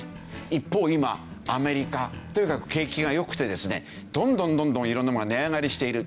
一方今アメリカとにかく景気が良くてですねどんどんどんどん色んなものが値上がりしている。